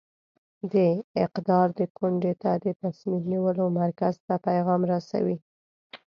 د اقدار د کونډې ته د تصمیم نیولو مرکز ته پیغام رسوي.